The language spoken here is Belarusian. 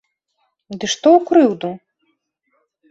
Ды што ў крыўду!